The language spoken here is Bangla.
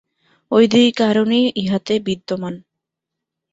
ঐ দুই কারণই ইহাতে বিদ্যমান।